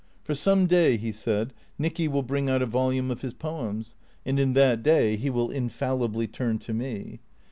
For some day, he said, Nicky will bring out a volume of his poems, and in that day he will infallibly turn to me.